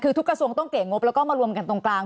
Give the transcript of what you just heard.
คือทุกกระทรวงต้องเปลี่ยนงบแล้วก็มารวมกันตรงกลาง